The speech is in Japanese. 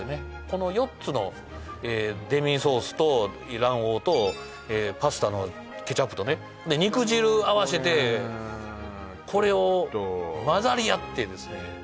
この４つのデミソースと卵黄とパスタのケチャップとねこれ肉汁合わせてこれをちょっとまざりあってですね